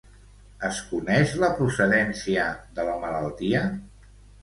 Es coneix la procedència de la malaltia?